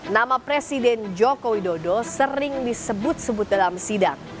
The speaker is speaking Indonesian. nama presiden joko widodo sering disebut sebut dalam sidang